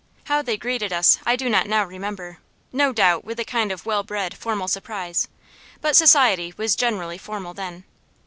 How they greeted us I do not now remember; no doubt, with a kind of well bred formal surprise; but society was generally formal then.